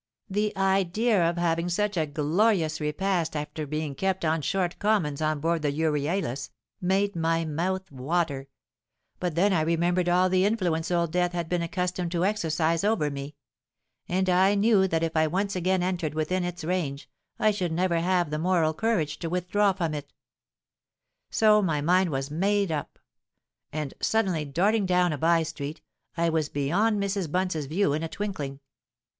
'—The idea of having such a glorious repast after being kept on short commons on board the Euryalus, made my mouth water; but then I remembered all the influence Old Death had been accustomed to exercise over me—and I knew that if I once again entered within its range, I should never have the moral courage to withdraw from it. So my mind was made up; and suddenly darting down a bye street, I was beyond Mrs. Bunce's view in a twinkling.